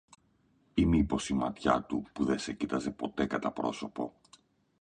Ή μήπως η ματιά του που δε σε κοίταζε ποτέ κατά πρόσωπο;